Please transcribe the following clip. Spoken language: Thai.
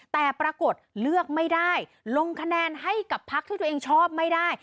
แต่ปรากฏเลือกไม่ได้ลงคะแนนให้กับพักที่ตัวเองชอบไม่ได้